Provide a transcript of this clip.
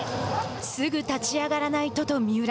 すぐ立ち上がらないとと三浦。